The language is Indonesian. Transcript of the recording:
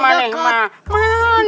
kamu bisa jadi begitu